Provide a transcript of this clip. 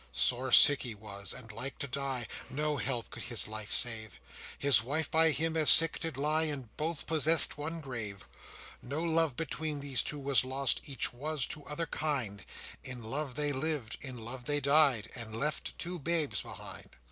Sore sick he was and like to die, No help his life could save; His wife by him as sick did lie, And both possest one grave. No love between these two was lost, Each was to other kind; In love they lived, in love they died, And left two babes behind.